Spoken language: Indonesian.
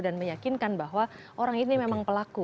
dan meyakinkan bahwa orang ini memang pelaku